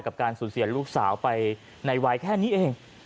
การสูญเสียลูกสาวไปในวัยแค่นี้เอง